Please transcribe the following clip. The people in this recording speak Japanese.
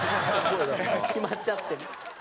決まっちゃってる。